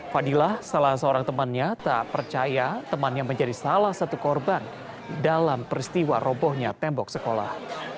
fadilah salah seorang temannya tak percaya temannya menjadi salah satu korban dalam peristiwa robohnya tembok sekolah